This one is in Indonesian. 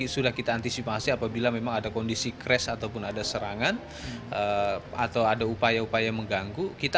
sudah kita antisipasi apabila memang ada kondisi crash ataupun ada serangan atau ada upaya upaya mengganggu